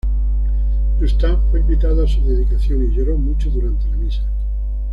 Dunstán fue invitado a su dedicación y lloró mucho durante la misa.